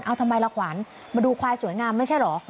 เอาทำไมละขวัญมาดูควายสวยงามไม่ใช่เหรอ